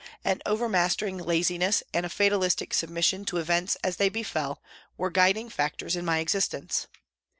An overmastering laziness and a fatalistic submission to events as they befell were guiding factors in my existence.